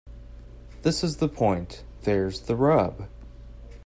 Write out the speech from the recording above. This is the point. There's the rub.